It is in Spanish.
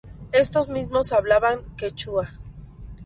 Estos mismos hablaban quechua.